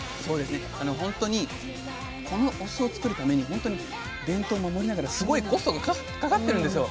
本当にこのお酢をつくるために本当に伝統を守りながらすごいコストがかかってるんですよ。